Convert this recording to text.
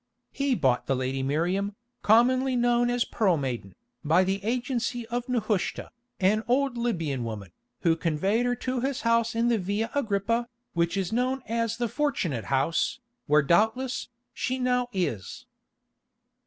He bought the lady Miriam, commonly known as Pearl Maiden, by the agency of Nehushta, an old Libyan woman, who conveyed her to his house in the Via Agrippa, which is known as the 'Fortunate House,' where doubtless, she now is."